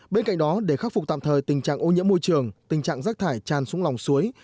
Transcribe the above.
bên cạnh đó để khắc phục tạm thời tình trạng ô nhiễm môi trường tình trạng rác thải tràn xuống lòng suối